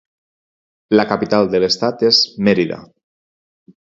La capital de l'estat és Mérida.